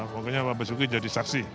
pokoknya pak basuki jadi saksi